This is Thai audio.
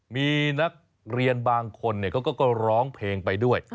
มีนักเรียนบางคนเขาก็ร้องเพลงไปด้วย